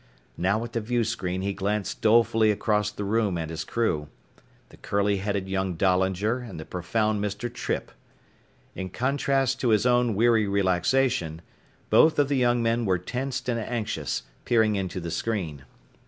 Now at the viewscreen he glanced dolefully across the room at his crew: the curly headed young Dahlinger and the profound Mr. Trippe. In contrast to his own weary relaxation, both of the young men were tensed and anxious, peering into the screen.